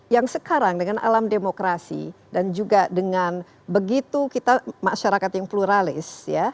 yang sekarang dengan alam demokrasi dan juga dengan begitu kita masyarakat yang pluralis